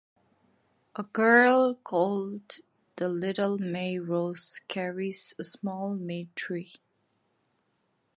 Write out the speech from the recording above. A girl called the Little May Rose carries a small May-tree.